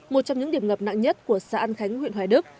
một trong những điểm ngập nặng nhất của xã an khánh huyện hoài đức